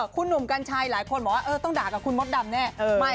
คุณหนุ่มกัญชัยหลายคนบอกว่าต้องด่ากับคุณมดดำแน่